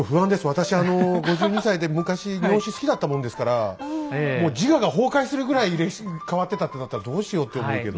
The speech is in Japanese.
私あの５２歳で昔日本史好きだったもんですからもう自我が崩壊するぐらい歴史が変わってたってなったらどうしようって思うけど。